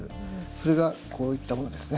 それがこういったものですね。